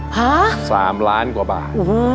ฮะ๓ล้านกว่าบาท